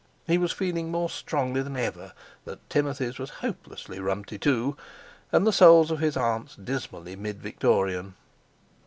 He was feeling more strongly than ever that Timothy's was hopelessly "rum ti too" and the souls of his aunts dismally mid Victorian.